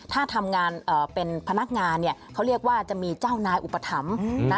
ถ้าทำงานเป็นพนักงานเนี่ยเขาเรียกว่าจะมีเจ้านายอุปถัมภ์นะ